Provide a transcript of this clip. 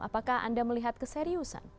apakah anda melihat keseriusan